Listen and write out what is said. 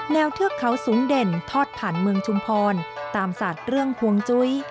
เทือกเขาสูงเด่นทอดผ่านเมืองชุมพรตามศาสตร์เรื่องห่วงจุ้ย